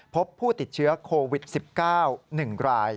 พบผู้ติดเชื้อโควิด๑๙๑ราย